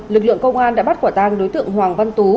lực lượng công an đã bắt quả tang đối tượng hoàng văn tú